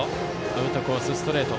アウトコース、ストレート。